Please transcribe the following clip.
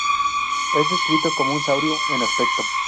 Es descrito como un saurio en aspecto.